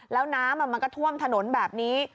แล้วน้ำมันก็ท่วมถนนแบบนี้